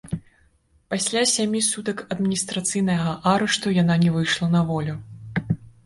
Пасля сямі сутак адміністрацыйнага арышту яна не выйшла на волю.